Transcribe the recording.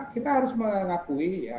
kita harus mengakui ya